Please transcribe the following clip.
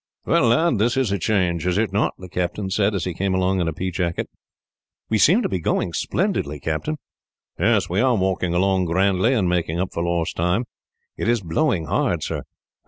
"Well, lad, this is a change, is it not?" the captain said, as he came along in a pea jacket. "We seem to be going splendidly, Captain." "Yes, we are walking along grandly, and making up for lost time." "It is blowing hard, sir."